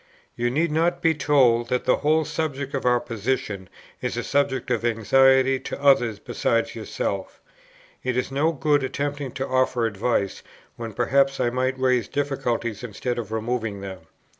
You need not be told that the whole subject of our position is a subject of anxiety to others beside yourself. It is no good attempting to offer advice, when perhaps I might raise difficulties instead of removing them.